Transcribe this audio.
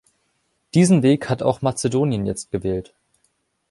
Diesen Weg hat auch Mazedonien jetzt gewählt.